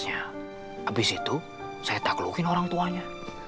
habis itu saya tidak bisa mengejar orang tuanya